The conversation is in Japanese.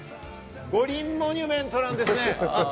五輪モニュメントなんですね。